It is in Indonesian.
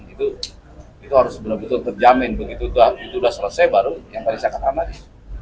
itu harus benar benar terjamin begitu itu sudah selesai baru yang tadi saya katakan amati